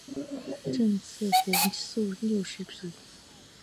赐郑璩素六十匹。